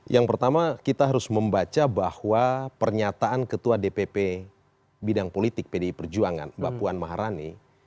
yang pertama kita harus membaca bahwa pernyataan ketua dpp bidang politik pdi perjuangan mbak puan maharani